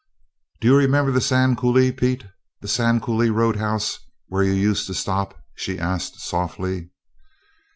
"Do you remember the Sand Coulee, Pete? the Sand Coulee Roadhouse where you used to stop?" she asked softly.